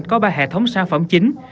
có ba hệ thống sản phẩm chính